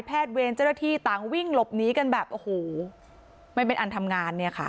เวรเจ้าหน้าที่ต่างวิ่งหลบหนีกันแบบโอ้โหไม่เป็นอันทำงานเนี่ยค่ะ